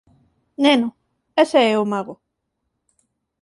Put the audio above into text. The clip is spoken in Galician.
Neno, ese é o mago.